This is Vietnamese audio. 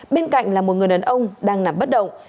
bên cạnh là một người đàn ông đang nằm bất động